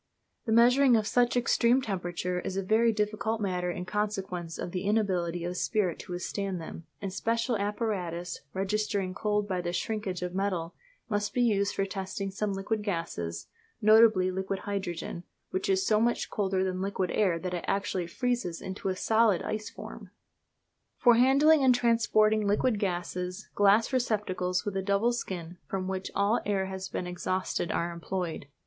The measuring of such extreme temperatures is a very difficult matter in consequence of the inability of spirit to withstand them, and special apparatus, registering cold by the shrinkage of metal, must be used for testing some liquid gases, notably liquid hydrogen, which is so much colder than liquid air that it actually freezes it into a solid ice form! For handling and transporting liquid gases glass receptacles with a double skin from which all air has been exhausted are employed.